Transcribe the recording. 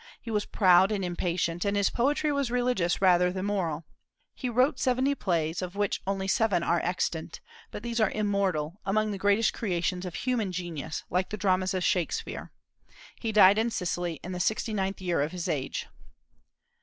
He was proud and impatient, and his poetry was religious rather than moral. He wrote seventy plays, of which only seven are extant; but these are immortal, among the greatest creations of human genius, like the dramas of Shakspeare. He died in Sicily, in the sixty ninth year of his age.